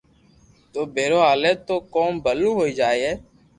تو ڀيرو ھالي تو ڪوم ڀلو ھوئيي جائي